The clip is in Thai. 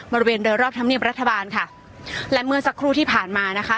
บริเวณโดยรอบธรรมเนียบรัฐบาลค่ะและเมื่อสักครู่ที่ผ่านมานะคะ